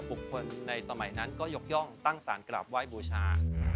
คนในสมัยนั้นก็ยกย่องตั้งสารกราบไหว้บูชา